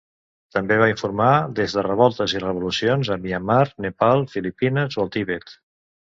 També va informar des de revoltes i revolucions a Myanmar, Nepal, Filipines o el Tibet.